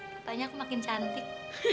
katanya aku makin cantik